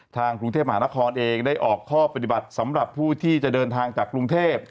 ทางกรุงเทพมหานครเองได้ออกข้อปฏิบัติสำหรับผู้ที่จะเดินทางจากกรุงเทพ